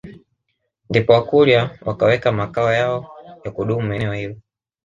Ndipo wakurya wakaweka makao yao ya kudumu eneo hilo